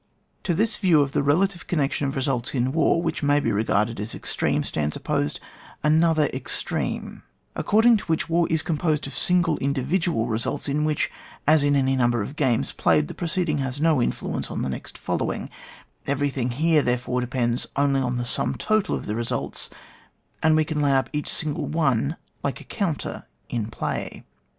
To this view of the relative connection of results in war, which may be regarded as extreme, stands opposed another ex treme, according to which war is com posed of single independent results, in which, as in any number of games played, the preceding has no influence on the next following ; everything here, therefore, depends only on the sum total of the results, and we can lay up each single one like a counter at play.